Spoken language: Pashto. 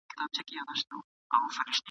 د جګړې په جریان کي ځیني خلک ټپیان سول.